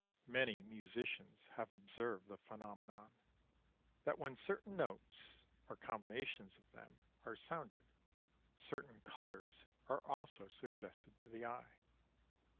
Many musicians have observed the phenomenon, that when certain notes, or combinations of them, are sounded, certain colours are also suggested to the eye.